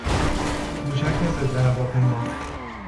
موشک ضدهواپیما